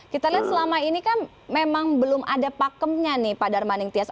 kita lihat selama ini kan memang belum ada pakemnya nih pak darmaning tias